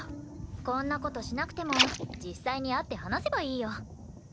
こんな事しなくても実際に会って話せばいいよ。